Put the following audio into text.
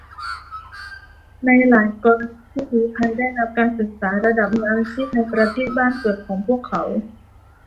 ในหลายกรณีผู้ลี้ภัยได้รับการศึกษาระดับมืออาชีพในประเทศบ้านเกิดของพวกเขา